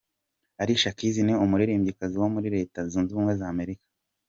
Alicia Keys ni umuririmbyikazi wo muri Leta Zunze ubumwe za Amerika.